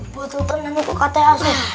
buat tertenang itu kata asal